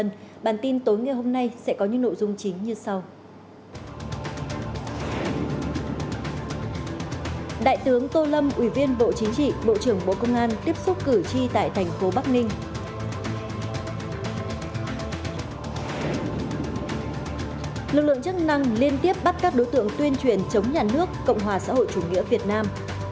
lực lượng chức năng liên tiếp bắt các đối tượng tuyên truyền chống nhà nước cộng hòa xã hội chủ nghĩa việt nam